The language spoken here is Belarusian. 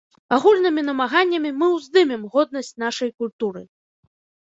Агульнымі намаганнямі мы ўздымем годнасць нашай культуры!